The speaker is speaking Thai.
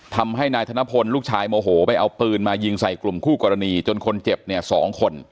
ทำให้นายธนพลลูกชายโมโหไปเอาปืนมายิงใส่กลุ่มคู่กรณีจนคนเจ็บเนี่ย๒คน